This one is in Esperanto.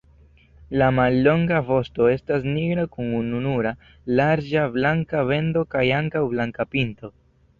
La mallonga vosto estas nigra kun ununura larĝa blanka bendo kaj ankaŭ blanka pinto.